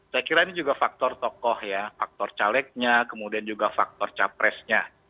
saya kira ini juga faktor tokoh ya faktor calegnya kemudian juga faktor capresnya